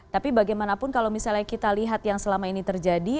tapi bagaimanapun kalau misalnya kita lihat yang selama ini terjadi